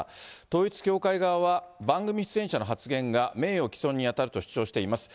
統一教会側は、番組出演者の発言が名誉毀損に当たると主張しています。